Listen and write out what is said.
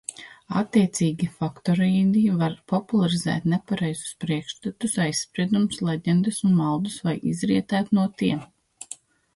Attiecīgi faktoīdi var popularizēt nepareizus priekšstatus, aizspriedumus, leģendas un maldus, vai izrietēt no tiem.